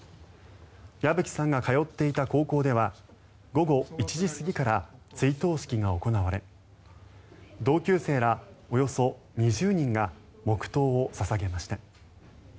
矢吹さんが通っていた高校では午後１時過ぎから追悼式が行われ同級生らおよそ２０人が黙祷を捧げました。